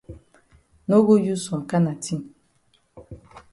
No go use some kana tin.